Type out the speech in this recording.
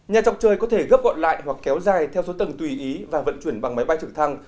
nhà trọc trời có thể gấp gọn lại hoặc kéo dài theo số tầng tùy ý và vận chuyển bằng máy bay trực thăng